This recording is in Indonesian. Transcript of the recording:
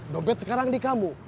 dompet sekarang di kamu